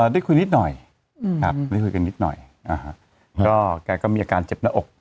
ได้คุยนิดหน่อยครับได้คุยกันนิดหน่อยก็แกก็มีอาการเจ็บหน้าอก